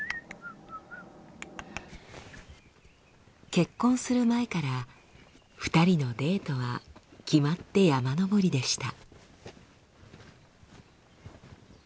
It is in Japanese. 結婚する前から２人のデートは決まって山登りでした。